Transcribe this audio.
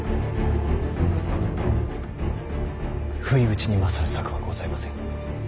不意打ちに勝る策はございません。